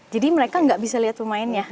jadi mereka nggak bisa lihat pemainnya